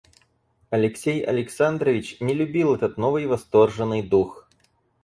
Алексей Александрович не любил этот новый восторженный дух.